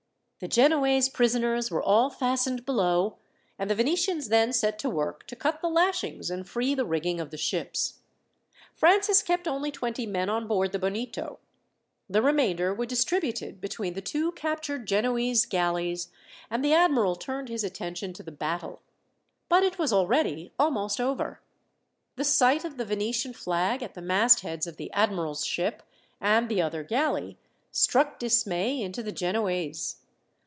The Genoese prisoners were all fastened below, and the Venetians then set to work to cut the lashings and free the rigging of the ships. Francis kept only twenty men on board the Bonito. The remainder were distributed between the two captured Genoese galleys, and the admiral turned his attention to the battle. But it was already almost over. The sight of the Venetian flag, at the mastheads of the admiral's ship and the other galley, struck dismay into the Genoese.